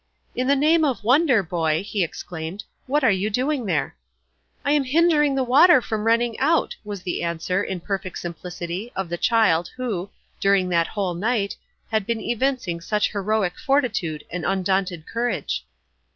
"In the name of wonder, boy," he exclaimed, "what are you doing there?" "I am hindering the water from running out," was the answer, in perfect simplicity, of the child, who, during that whole night, had been evincing such heroic fortitude and undaunted courage.